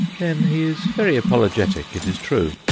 Then he is very apologetic, it is true.